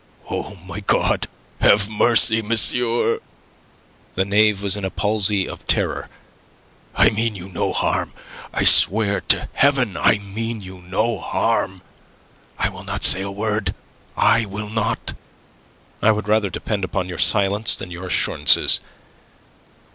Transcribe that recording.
"O my God! Have mercy, monsieur!" The knave was in a palsy of terror. "I mean you no harm I swear to Heaven I mean you no harm. I will not say a word. I will not..." "I would rather depend upon your silence than your assurances.